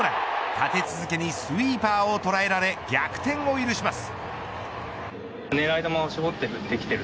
立て続けにスイーパーを捉えられ逆転を許します。